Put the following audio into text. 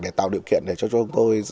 để tạo điều kiện để cho chúng tôi